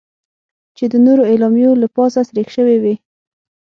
چې د نورو اعلامیو له پاسه سریښ شوې وې.